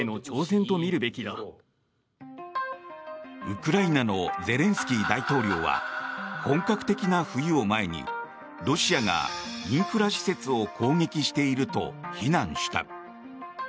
ウクライナのゼレンスキー大統領は本格的な冬を前に、ロシアがインフラ施設を攻撃していると非難した。